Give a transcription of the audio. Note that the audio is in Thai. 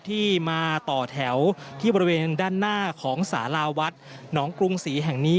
ที่มาต่อแถวที่บริเวณด้านหน้าของสาราวัดหนองกรุงศรีแห่งนี้